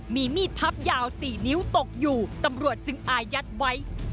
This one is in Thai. มีมีดพับยาว๔นิ้วตกอยู่ตำรวจจึงอายัดไว้